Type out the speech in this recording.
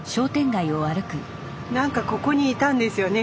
何かここにいたんですよね